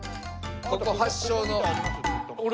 ここ発祥の。